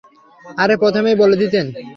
আরে, প্রথমেই বলে দিতেন!